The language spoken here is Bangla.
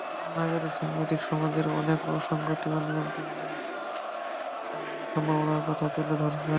নাগরিক সাংবাদিক সমাজের অনেক অসংগতি, অনিয়ম কিংবা সম্ভাবনার কথা তুলে ধরছেন।